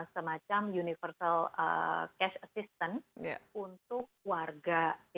semacam universal cash assistance untuk warga